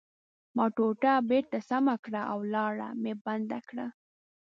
ما ټوټه بېرته سمه کړه او لاره مې بنده کړه